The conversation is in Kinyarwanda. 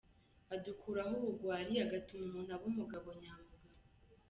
Adukuraho ubugwari, agatuma umuntu aba umugabo nya mugabo.